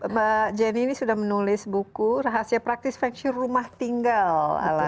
mbak jenny ini sudah menulis buku rahasia praktis facture rumah tinggal ala